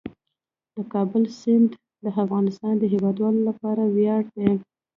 د کابل سیند د افغانستان د هیوادوالو لپاره ویاړ دی.